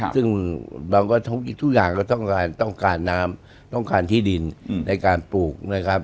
ซึ่งทุกอย่างก็ต้องการน้ำต้องการที่ดินในการปลูกนะครับ